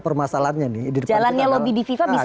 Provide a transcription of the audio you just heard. permasalahannya nih jalannya lobby di fifa bisa